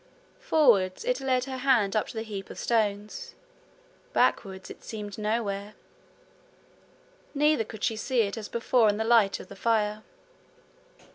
Forwards, it led her hand up to the heap of stones backwards it seemed nowhere. Neither could she see it as before in the light of the fire.